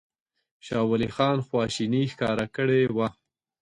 شاه ولي خان خواشیني ښکاره کړې وه.